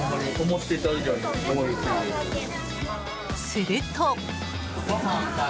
すると。